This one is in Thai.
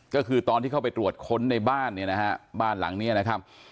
ก็คือตอนที่เข้าไปตรวจค้นในบ้านเนี่ยนะฮะบ้านหลังนี้นะครับ